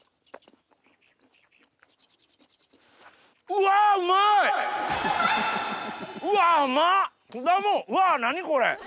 うわ何これ！